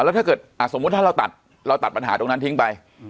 แล้วถ้าเกิดสมมุติถ้าเราตัดเราตัดปัญหาตรงนั้นทิ้งไป